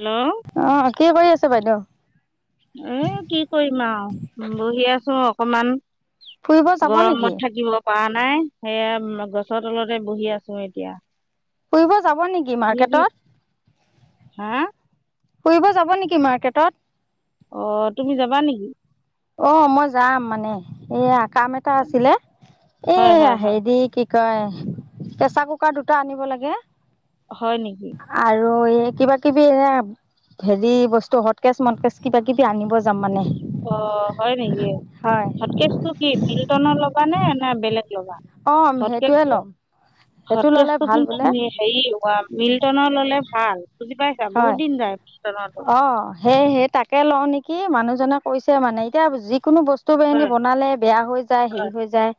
Hello অহ' কি কৰি আছে বাইদেউ। এ কি কৰিম আৰু বহি আছো অকমান, ফুৰিব যাব নেকি গৰমত থাকিব, পোৱা নাই। সেয়া গছৰ তলতে বহি আছো এতিয়া। ফুৰিব যাব নেকি তুমি কি মাৰ্কেটত! হা। ফুৰিব যাব নেকি মাৰ্কেটত, অহ' তুমি যাবা নেকি? অ মই যাম মানে এয়া কাম এটা আছিলে হয় হয় এয়া হয় হেদি কি? কয় প্ৰেচাৰ কুকাৰ দুটা আনিব লাগে, হয় নেকি? আৰু এই কিবা কিবি এ হেৰি বস্তু হট কেচ মত কেচ কিবা কিবি আনিব যাম মানে অ হয় নেকি হয় হটকেজটো কি মিল্টনৰ লগা নে নে বেলেগ লগা অ সেইটোৱে হ্টকেচটো, ল'ম সেইটো ল'লে হ্টকেচটো ভাল কিন্তু বোলে হেৰি। মিল্টনৰ ললে ভাল, বুজি পাইছা বহুত হয়। দিন যায় মিল্টনৰটো অহ, সেই, সেই তাকে লওঁ নেকি। কি মানুহজনে কৈছে মানে এতিয়া যি কোনো বস্তু এনে হয় বনালে বেয়া হৈ যায় হেৰি হয় হৈ যায়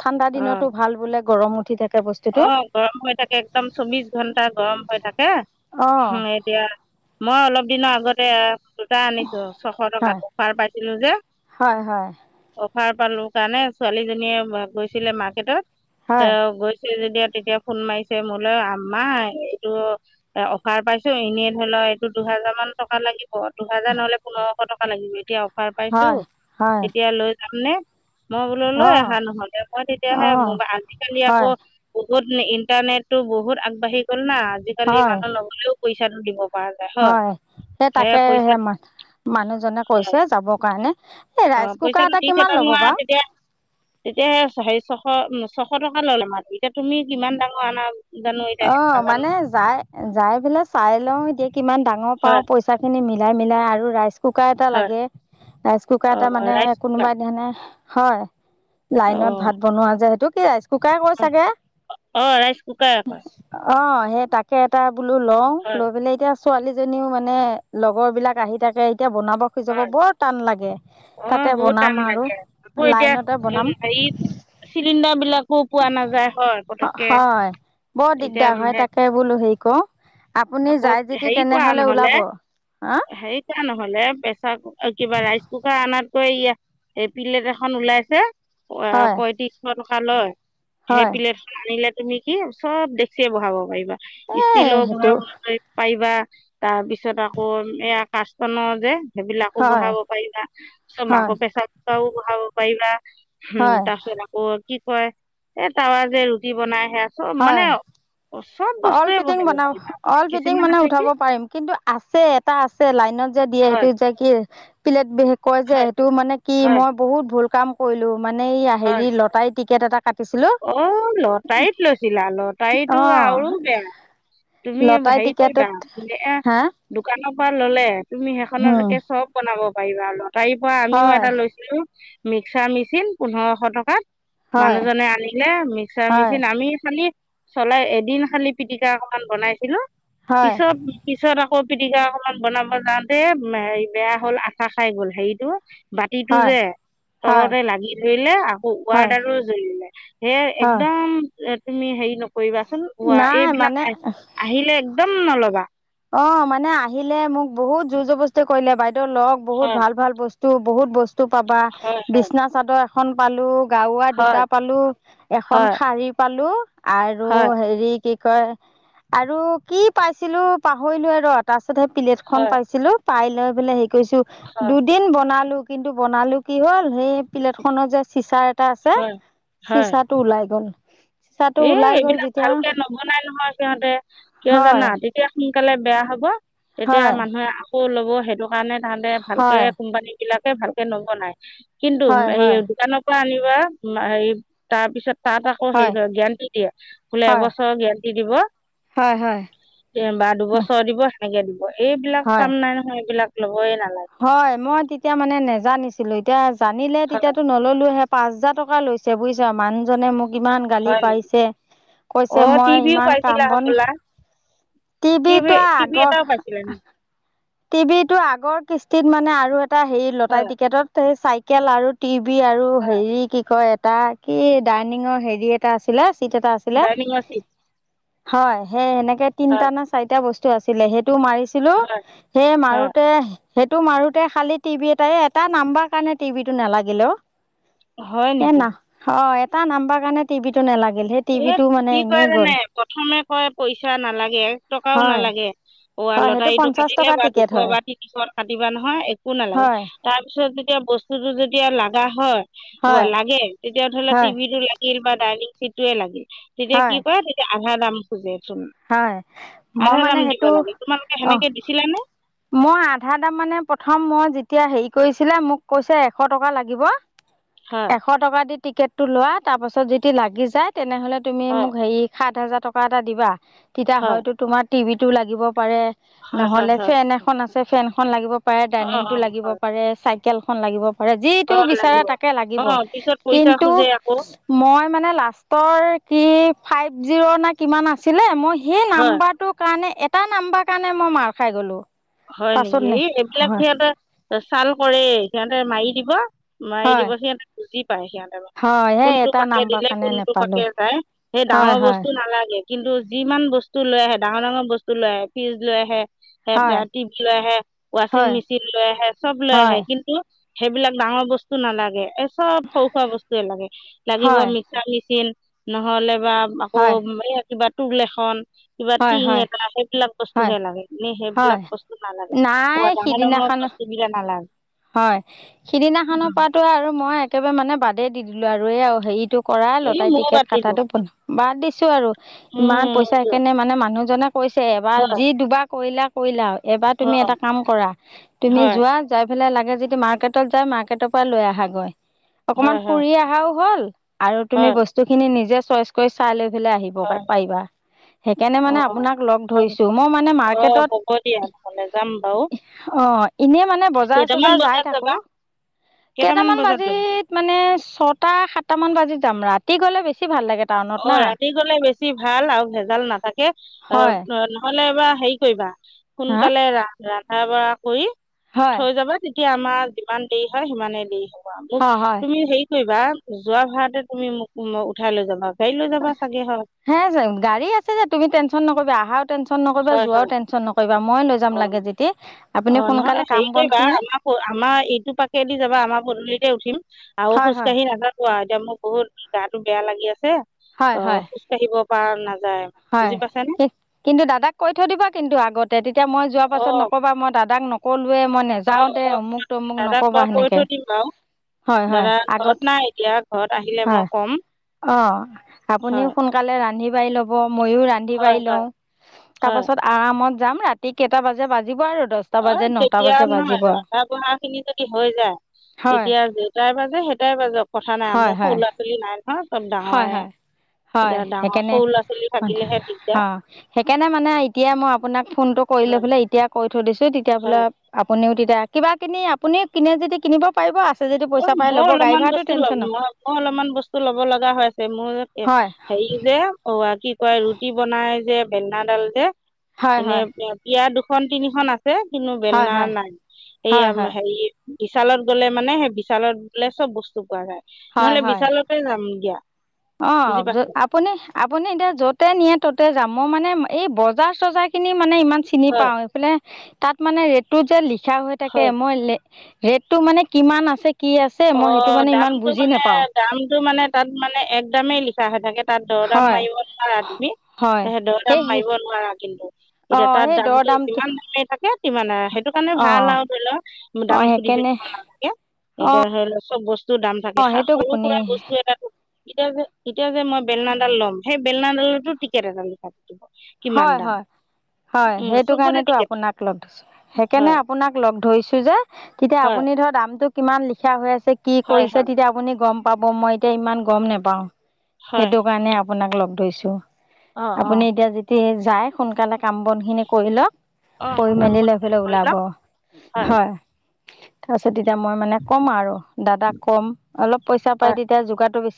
ঠাণ্ডা অ দিনতো ভাল বোলে, গৰম উঠি থ অ গৰম হৈ থাকে একদম চৌবিশ ঘন্টা গৰম হৈ থাকে অঁ এতিয়া মই অলপ দিনৰ আগতে দুটা আনিছো ছশ টকাত হয় অফাৰ পাইছিলো যে হয় হয় অফাৰ পালো কাৰণে ছোৱালীজনীয়ে গৈছিলে মাৰ্কেটত হয় যেতিয়া তেতিয়া ফোন মাৰিছে মোলৈ আম্মা এইটো অফাৰ পাইছো এনেই ধৰি লওক এইটো দুহেজাৰ মান টকা লাগিব দুহেজাৰ নহলে পোন্ধৰশ টকা লাগিব এতিয়া অফাৰ পাইছো, হয় হয় এতিয়া লৈ যাম নে? মই বোলো লৈ অঁ অহা নহ'লে মই তেতিয়াহে, অঁ আজিকালি আকৌ। হয় বহুত ইণ্টাৰনেটতো বহুত আগবাঢ়ি গ'ল না আজিকালি হয় মানুহ নগ'লেও পইচাটো দিব। পৰা যায় হয় সেই তাকে সে ম মানুহজনে কৈছে যাব কাৰণে এই অ ৰাইচ কুকাৰ পইচাটো এটা দি কিমান চেতেল ল'ব হোৱা বাৰু তেতিয়া তেতিয়াহে হেৰি শ উ ছশ টকা ললে মা এতিয়া তুমি কিমান ডাঙৰ আনা জানো এতিয়া অ সেইটো নাজানো মানে যাই যাই পেলাই চাই লও এতিয়া কিমান ডাঙৰ পাও হয় পইচা খিনি মিলি মিলাই মিলাই আৰু ৰাইচ কুকাৰ এটা হয় লাগে ৰাইচ কুকাৰ এটা অঁ মানে ৰাইচ কুকাৰ কোনোবাই সিদিনাখনেই হয় লাইনত ভাত বনোৱা যায় সেইটো কি কুকাৰ কয় চাগে অ' ৰাইচ কুকাৰ আকৌ অ' সেই তাকে এটা বোলো লও হয় লৈ পেলাই এতিয়া ছোৱালীজনীও মানে লগৰ বিলাক আহি থাকে এতিয়া বনাব খুজাব হয় বৰ টান লাগে অঁ তাতে বহুত টান বনাম আৰু লাগে লাইনতে বনাম চিলিণ্ডাৰ বিলাক খ পোৱা নাযায় হয় পতককে হয় বৰ এতিয়া দিগদাৰ হয় মানে তাকে বোলো হেৰি কৰোঁ আপুনি আকৌ যায় যদি হেৰি কৰা তেনেহ'লে নহলে ওলাব হা হেৰি কৰা নহলেে কিবা ৰাইচ কুকাৰ আনাতকৈ প্লেট এখন ওলাইছে অ হয় পয়ত্ৰিশশ টকা লয় সেই হয় প্লেটখন আনিলে তুমি কি চব দেখে বহাব পাৰিবা এই ষ্টিলো সেইটো বহাবলৈ পাৰিবা তাৰপিছত আকৌ এয়া কাচান যে সেইবিলাকো হয় বহাব পাৰিলা তাছত মাক হয় পেছা পও বহাব পাৰিলা উম হয় তাৰ পিছত আকৌ কি কয় এ তাৱা যে ৰুটি বনাই সে। চ হয় মানে চব অল বস্তুৱে ফিটিং বহাব বনাব পাৰিবা অল ফিটিং কিছুমান মানে আছে কি উঠাব পাৰিম কিন্তু আছে এটা আছে লাই যে দিয়ে সেইটো হয় যে কি পিলেট কয় যে হয় সেইটো মানে কি হয় মই বহুত ভুল কাম কৰিলো। মানে এই হয় হেৰি লতাৰ টিকেট এটা কাটিছিলোঁ অ', লটাৰীত লৈছিলা লটাৰীটো অঁ আৰু বেয়া তুমি লটাৰী হেৰি কৰি দা টিকেটত এ হা দোকানৰ পৰা ললে তুমি হম সেইখনতকে চব বনাব পাৰিবা লতাৰীৰ পৰা আমিও হয় এটা লৈছিলো। মিক্সাৰ মেচিন পোন্ধৰশ টকাত হয় মানুহজনে আনি মিক্সাৰ হয় মেচিন আমি খালি চলাই এদিন খালি পিটিকা অকমান বনাইছিলো হয় পিছত পিছত পিটিকা অকমান বনাব যাওঁতে বেয়া হল আঠা খাই গল হেৰিতটো। বাতিটো হয় যে হয় তলতে লাগি ধৰিলে আকৌ হয় ৱাৰডাৰো জ্বলিলে। হে হয় একদম তুমি হেৰি নকৰিবাচোন নাই এইবিলাক মানে আহ আহিলে একদম উম নলবা অ মানে আহিলে মোক বহুত জোৰ জবস্তি কৰিলে বাইদেউ লওক বহুত হয় ভাল ভাল বস্তু বহুত বস্তু পাবা হয় বিচনা চাদৰ এখন পালো গাৱা হয় দুটা পালো এখন হয় শাৰী পালো আৰু হয় হেৰি কি কয় আৰু কি পাইছিলো পাহৰিলো ৰ ত সেই প্লেট খন হয় পাইছিলো পাই লৈ বোলে হে কৰিৈছো হয় দুদিন বনালো কিন্তু বনালো কি হ'ল সেই প্লেট খনৰ যে চিচাৰ এটা আছে হয় হয় চিচাৰ টো ওলাই গ'ল চিচাটো এ ওলাই গ'ল এইবিলাক যেতিয়া ভালকে নবনাই নহয় সিহঁতে কিয় হয় জানা তেতিয়া সোনকালে বেয়া হব তেতিয়া হয় মানুহে আকৌ লব সেইটো কাৰণে তাহতে ভালকে হয় কোম্পানী বিলাকে ভালকে নবনাই কিন্তু হয় সেই হয় দোকানৰ আনিবা হেৰি তাৰ পিছত তাত আকৌ হেৰি হয় গেৰাণ্টি দিয়ে বোলে হয় এবছৰৰ গেৰাণ্টি দিব হয় হয় বা দুবছৰ দিব সেনেকে দিব এইবিলাক হয় কাম নাই নহয় এইবিলাক লব এই না হয় মই তেতিয়া মানে নেজানিছিলো এতিয়া জানিলে হয় তেতিয়াতো নললো হে পাঁচ হাজাৰ টকা লৈছে বুজিছা মানুহজনে মোক কিমান গালি হয় নেকি পাইিছে কৈছে অ মই টিভিও ইমান কাম পাইছিলা বন হবলা টিভি টিভিটো টিভি আগৰ এটাও পাইছিলা নেকি টিভিটো আগৰ কিস্তিত মানে, আৰু এটা হেৰি লতাৰি হয় টিকেটত [unintelligible] চাইকেল আৰু টি ক আৰু হয় হেৰি কি কয় এটা কি ডাইনিঙৰ হেৰি এটা আছিলে টিট এটা আছিলে। ডাইনিঙৰ চিট হয় হে এনেকে হয় তিনটা না চাৰি বস্তু আছিলে। টো মাৰিছিলো, হয় সেই হয় মাৰোতে। সেইটো মাৰোতে খালি টিভি এটাই, এটা নাম্বাৰ কাৰণে টিভিটো নেলাগিল অহ,। হয় নেকি? এটা নাম্বাৰ কাৰণে টিভিটো নেলাগিল। এ কি কয় জানে প্ৰথমে কয় পইচা নালাগে এক টকাও হয় নালাগে অ' আৰু হয় সেইটো লতাৰিটো পঞ্চাশ কাটি। টকাৰ কেবা দুশ টিকেট হয় বা তিনিশ কাটিবা নহয়, একো নালাগে হয় তাৰ পিছত যেতিয়া বস্তুতটো যেতিয়া লাগ। লাগা হয়। হয় লাগে তেতিয়া ধৰিলে হয় টিভিটো লাগিল বা ডাইনিং চিট এই লাগিল। তেতিয়া কি হয় কৰে, তেতিয়া আধা দাম খোজে। চোন হয়। মই আধা দাম মানে দিব সেইটো, লাগে তোমালোকে অহ,। সেনেকে দিছিলা নে মই আধাটা মানে প্ৰথম মই এতিয়া হেৰি কৰিছিলে, মোক কৈছে এশ টকা লাগিব, হয় এশ টকা দি। টিকেটটো লোৱা, তাৰপাছত যদি লাগি যায়, তেনেহ'লে তুমি হয় মোক হেৰি সাত হাজাৰ টকা এটা দিবা। তেতিয়া হয়তো, তোমাৰ টিভিটো লাগিব পাৰে। হয় হয় হয় নহ'লে হয় ফেন এখন আছে। ফেনখন লাগিব পাৰে, অ ডাইনিং অ টো লাগিব হয় পাৰে, চাইকেলখন লাগিব। যিটো অ বিচাৰে লাগিব তাকে অ লাগিব পিছত পইচা কিন্তু খোজে আকৌ মই মানে লাষ্টৰ কি ফাইভ জিৰ' না, কিমান আছিলে মই, সেই হয় নাম্বাৰটোৰ কাৰণে। এটা নাম্বৰ কাৰণে মই মাৰ খাই গ'লো। হয় নেকি, এই এইবিলাক সিহঁতে ছাল কৰে এই সিহঁতে মাৰি দিব। মাৰি হয় দিব, সিহঁতে বুজি। পাই সিহঁতেৰ। হয় সেই কোনটো এটা পাকে নাম্বাৰ দিলে কাৰণে কোনটো পাকে নেপালোঁ যায়, সেই হয় ডাঙৰ হয় বস্তু নালাগে। কিন্তু যিমান বস্তু লৈ আহে, ডাঙৰ ডাঙৰ বস্তু লৈ আহে। ফ্ৰিজ লৈ আহে সেহেতে। হয় লৈ আহে ৱাচিং হয়, মেচিন লৈ আহে চব লৈ আহে হয়, কিন্তু সেইবিলাক ডাঙৰ বস্তু নালাগে, এ। চব সৰু-সুৰা বস্তুৱয়ে লাগে। লাগিব হয়, মিক্সাৰ মেচিন, নহ'লে। বা আকৌ হয়, এ কিবা তুল এখন কিবা হয়, টিং হয়, এটা সেইবিলাক বস্তু হয়, হে লাগে এনেে হয়, সেইবিলাক বস্তু নালাগে নাই ডাঙৰ ডাঙৰ সিদিনাখন। বস্তু কেইটা নালাগে হয়। সিদিনাখনৰ উম, পৰাটো আৰু। মই একেবাৰে মানে বাদে দি দিলো আৰু, এই হেৰিটো কৰা এই লতাৰি ময়ো টিকেট বাদ দিলো কটাটো বন্ধ। বাদ দিছো আৰু ইমান পইচা উম সনেে মানে মানুহজনে কৈছে এবাৰ হয় যি দুবাক কৰিলা কৰিলা এবাৰ তুমি হয় এটা কাম কৰা তুমি হয়, যোৱা য সেইফালে লাগে যদি মাৰ্কেটত যায় মাৰ্কেটৰ পৰা লৈ আহা গৈ। হয়, অকনমান হয়, ফুৰি অহাও হ'ল। আৰু তুমি হয়, বস্তুখিনি, নিজে চইচ কৰি চাই লৈ পেলাই আহিব হয়, পাৰিবা। কেনে মানে অ', আপোনাক লগ হয় ধৰিছো, নেকি? মই মানে অ', মাৰ্কেটত। হ'ব দিয়া নহ'লে যাম বাৰু। অহ। এনে মানে বজাৰ কেইটামান চজাৰ যাই বজাত থাকো। যাবা? কেইটামান বজাত যাবা? বাজিত মানে ছটা সাতটা মান বাজিত যাম, ৰাতি গ'লে বেছি ভাল লাগে। টাউনত অহ' না ৰাতি গ'লে বেছি ভাল, আৰু ভেজাল নাথাকে অহ, হয় নহ'লে এবাৰ। হেৰি কৰিবা হা সোনকালে, ৰা-ৰান্ধা বঢ়া কৰি, হয় থৈ যাবা তেতিয়া। তেয়া আমাৰ যিমান দেৰি হয় সিমানেই দেৰি হ'ব আৰু মোক হয় হয় তুমি সেই কি কৰিবা যোৱা ভাাৰাতে তুমি মোক উঠাই লৈ যাবা গাড়ী লৈ যাবা চাগে হয়, হে যে গাড়ী আছে যে, তুমি টেনচন নকৰিবা আহা। টেনচন নকৰিবা হয়, যোৱাও হয়, টেনচন নকৰিবা, মই লৈ যাম অ'। লাগে যেদি। অ' নহলে হেৰি কৰিবা আমাৰ আমাৰ এইটো পাাকেদি যাবা আমাৰ পদূলিতে উঠিম আৰু হয় খোজ হয় কাঢ়ি নাাজাব আৰু এতিয়া মোক বহুত [unintelligible] গা বেয়া লাগি আছে। হয় অহ, হয় খোজ কাঢ়িব পৰা নাজাই। হয়। কিন্তু দাদাক কৈ থৈ দিবা কিন্তু আগতে তেতিয়া মই যোৱা অ পাছত নকবা মই দাদা তাক নকলোৱে মই অ নেযাওঁ দে, অ অমুক তমুক দাদাক নকবা বাৰু কৈ সেনেকে। থৈ দিম বাৰু হয় হয় দাদা ঘৰত আগত নাই এতিয়া ঘৰত আহিলে মই হয় ক'ম অ', আপুনিও হয় সোনকালে ৰান্ধি বাঢ়ি লব। মইয়ও ৰান্ধি হয় বাঢ়ি হয় লওঁ তাৰ হয় পাছত আৰামত যাম ৰাতি কেইটা বাজে বাজিব আৰু দহটা অ, বাজে নটা তেতিয়া বাজে বাজিব নহয় আৰু ৰাধা বঢ়া খিনি যদি হৈ যায় হয় তেতিয়া দেউতাৰ বা সেইটাই বাজক কথা নাই হয় মোৰ হৰু হয় ল'ৰা ছোৱালী নাই নহয় চব হয় ডাঙৰে। হয় হয় এইয়া ডাঙৰ সেইকাৰণে সৰু ল 'ৰা ছোৱালী থাকিলেহে দিগদাৰ অ', সেইকাৰণে মানে এতিয়া মই আপোনাক ফোনটো কৰিলৈ হয় ফেলে এতিয়া কৈ থৈ দিছো তেতিয়া হয় বোলে আপুনিও তেতিয়া কিবা কিনি আপুনি কিনে যতিদি কিনিব পাৰিব যদি অ, পইচা পাই মই ল'ব গাড়ী অলপমান ভাড়াটো বস্তু ল টেনচন ন মই আকৈ অলপমান বস্তু ল'ব লাগা হৈ আছে মোৰ এ হয় হেৰি যে অৱ কি অ, ৰুটি বনাই যে বেনাডাল যে, হয় এনে হয় পিয়া দুখন তিনিখন আছে। সে কিনো হয় বেলনা হয় নাই, এই হয় হয় হেৰি বিশালত গলে মানে সেই বিশালত বুলে চব বস্তু পোৱা যায় হয় নহলে হয় বিশালতে যাম দিয়া। অ', বুজি পাইছা আপুনি আপুনি এতিয়া যতে নিয়ে ততে যাম মই মানে এই বজাৰ চজাৰ খিনি মানে ইমান চিনি হয় পাওঁ এইফালে তাত মানে ৰেটটো যে লিখা হৈ থাকে হয় মই ৰেটটো মানে কিমান আছে কি আছে অ', মই সেইটো মানে ইমান দামটো বুজি মানে নাপাওঁ দামতটো মানে তাত মানে এক দামেই লিখা হয় থাকে। তাত দৰ দাম হয় মাৰিব নোৱাৰা তুমি? হয় তোহেদৰ দাম সেই সেই মাৰিব নোৱাৰা কিন্তু, এতিয়া অঁ তাত সেই দৰ দামটো যিমান দামেই থাকে ইমান সেইটো কাৰণে ভাল অঁ আৰু ধৰি লওক দাম অঁ সুধি সেইকাৰণে থাকাকিব নালাগে। অঁ এতিয়া ধৰি লও চব বস্তুৰ দাম থাকে অঁ সেইটো সৰু আপুনি সুৰা বস্তু এটা এতিয়া যে এতিয়া যে মই বেলনাডাল ল'ম সেই বেলনাডালতো টিকেট এডাল লিখা থাকিব। কিমান হয় দাম হয় হয় উম সেইটো চবতে কাৰণেটো টিকেট আপোনাক লগ ধৰছো সেইকাৰণে হয় আপোনাক লগ ধৰিছো যে তেতিয়া হয় আপুনি আপুনি ধৰ দামটো কিমান লিখা হৈ আছে কি হয় কৰিছে হয় তেতিয়া আপুনি গম পাব মই এতিয়া ইমান গম নোপাওঁ। হয় সেইটো কাৰণে আপোনাক লগ ধৰিছোঁ অ' অ' আপুনি এতিয়া স যাই সোনকালে কাম বন খিনি কৰি ল। অ' কৈ মই কাম মেলি বন শেষ লৈফেলে কৰি ওলাব ল'ম হয়। তাৰ পিছত তেতিয়া মই মানে ক'ম আৰু দাদা কম অলপ পইচা পাই তেতিয়া যোগাৰটো বেছি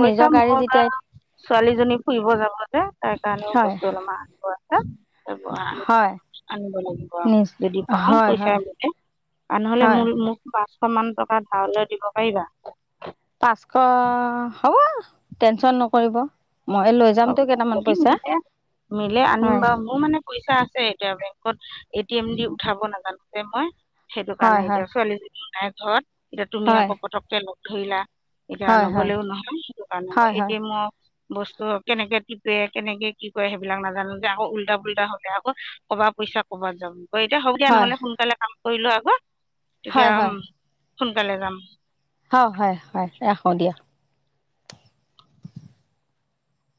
কৈছা মই বা ছোৱালীজনী ফুৰিব যাব যে তাক [unintelligible] হয় বস্তু অলপমান আনিব আছে হয় আনিব লাগে। নিজ যদি পাওঁ হয় পইচাে হয় গোটেই। আনহলে হয় মোল মোক পাঁচশ মান টকা ধাৰলে দিব পাৰিবা? পাঁচশ হ'ব টেনচন নকৰিব। মই লৈ অ', যামতো কেইটামান যদি পইচা মিলে মিলে আনিম হয় বাৰু মোৰ মানে পইচা আছে এতিয়া বেংকত। এ টি এম দি উঠাব নাজানোযে মই সেইটো কাৰণে হয় এতিয়া ছোৱালীজনী নাই ঘৰত। এতিয়া তুমি হয় আকৌ পতককে লগ ধৰিলা। এতিয়া হয় হয় নগলেও নহয় সেইটো কাৰণে মই হয় হয় হয় এতিয়া মই বস্তু কেনেকে টিপে কেনেকে কি কৰে সেইবিলাক নাজানো যে আকৌ উল্টা-পুল্টা হলে আকৌ কবা পইচা ক'বাত যাম। অ, এতিয়া হব দিয়া হয় নহলে সোনকালে কাম কৰিলো আগৌ এতিয়া হয় হয় সোনকালে যাম। হয় হয় হয় ৰাখো দিয়া।